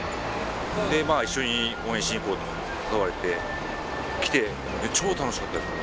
まあ、一緒に応援にしにいこうと誘われて、来て、超楽しかったです。